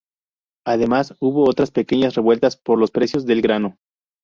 Además, hubo otras pequeñas revueltas por los precios del grano.